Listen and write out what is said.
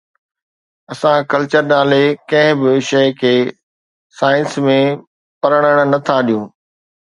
اسان ڪلچر نالي ڪنهن به شيءِ کي سائنس ۾ پرڻڻ نٿا ڏيون.